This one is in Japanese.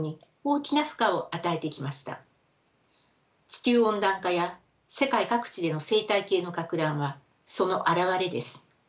地球温暖化や世界各地での生態系のかく乱はその現れです。